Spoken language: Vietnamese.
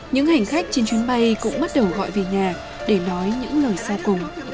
những hành khách trên chuyến bay cũng bắt đầu gọi về nhà để nói những lời sau cùng